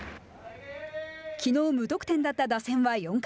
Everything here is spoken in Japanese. きのう無得点だった打線は４回。